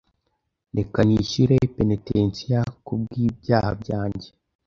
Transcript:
Reka nishyure penetensiya kubwibyaha byanjye.